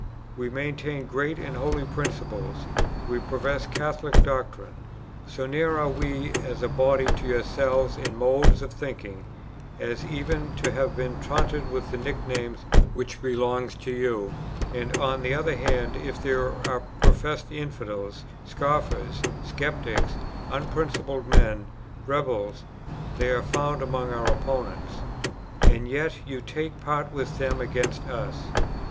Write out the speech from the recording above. We maintain great and holy principles; we profess Catholic doctrines.... So near are we as a body to yourselves in modes of thinking, as even to have been taunted with the nicknames which belong to you; and, on the other hand, if there are professed infidels, scoffers, sceptics, unprincipled men, rebels, they are found among our opponents. And yet you take part with them against us....